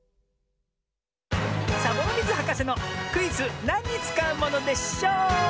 サボノミズはかせのクイズ「なんにつかうものでショー」！